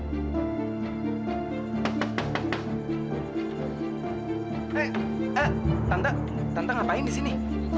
hei tante ngapain di sini